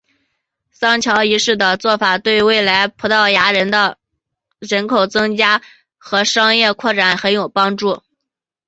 桑乔一世的做法对未来葡萄牙的人口增加和商业扩展很有帮助。